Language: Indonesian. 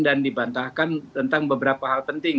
dan dibantahkan tentang beberapa hal penting